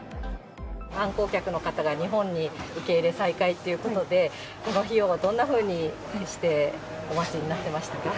観光客の方が日本に受け入れ再開ということで、この日をどんなふうにしてお待ちになってましたか？